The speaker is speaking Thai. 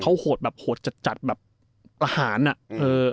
เขาโหดแบบโหดจัดจัดแบบอาหารอ่ะเออ